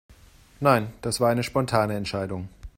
Nein, das war eine spontane Entscheidung.